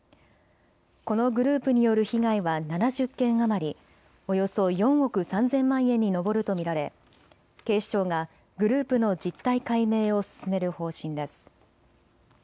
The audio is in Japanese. このグループによる被害は７０件余り、およそ４億３０００万円に上ると見られ警視庁がグループの実態解明を進める方針です。